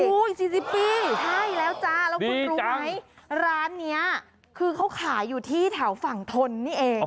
๔๐ปีใช่แล้วจ้าแล้วคุณรู้ไหมร้านนี้คือเขาขายอยู่ที่แถวฝั่งทนนี่เอง